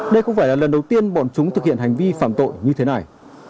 đây không phải là lần đầu tiên bọn chúng thực hiện hành vi phạm tội như thế này